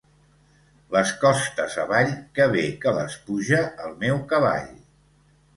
Les costes avall que bé que les puja el meu cavall.